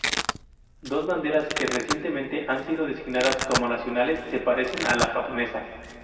Dos banderas que recientemente han sido designadas como nacionales se parecen a la japonesa.